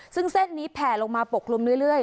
ซึ่งเส้นนี้แผ่ลงมาปกคลุมเรื่อย